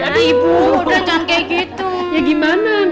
aduh udah udah udah kayak gitu